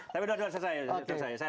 tapi sudah selesai